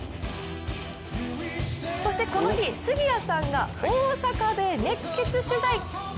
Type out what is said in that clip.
そしてこの日、杉谷さんが大阪で熱血取材。